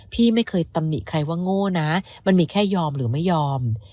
พี่ไม่เคยตำหนิใครว่าโง่นะมันมีแค่ยอมหรือไม่ยอม